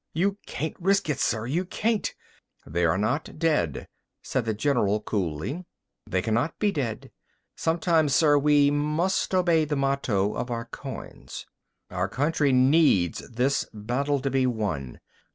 You can't risk it, sir! You can't!" "They are not dead," said the general coolly. "They cannot be dead. Sometimes, sir, we must obey the motto on our coins. Our country needs this battle to be won.